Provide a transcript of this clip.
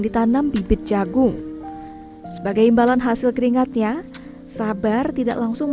apakah kau bright up dengan imbu manfaat erstamuillengteriamu